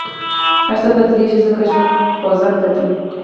هر څه بدلېږي، ځکه ژوند خوځنده دی.